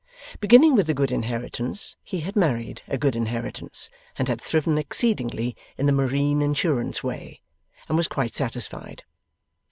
Beginning with a good inheritance, he had married a good inheritance, and had thriven exceedingly in the Marine Insurance way, and was quite satisfied.